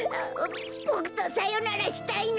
ボクとさよならしたいの？